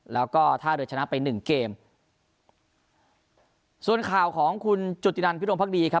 แล้วก็ท่าเรือชนะไปหนึ่งเกมส่วนข่าวของคุณจุธินันพิรมภักดีครับ